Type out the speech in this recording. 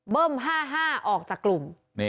เบิ้ม๕๕ออกจากกลุ่ม